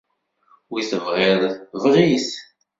Wi tebɣiḍ bɣiɣ-t.